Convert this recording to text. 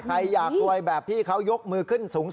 ใครอยากกลัวแบบพี่เขายกมือขึ้นสูง